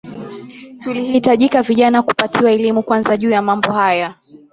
Tulihitajika vijana kupatiwa elimu kwanza juu ya mambo haya